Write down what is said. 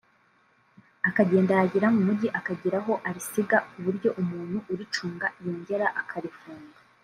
akagenda yagera mu mujyi akagira aho arisiga ku buryo umuntu uricunga yongera akarifunga